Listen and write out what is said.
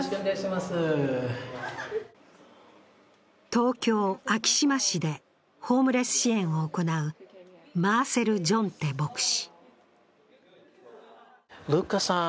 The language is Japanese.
東京・昭島市でホームレス支援を行うマーセル・ジョンテ牧師。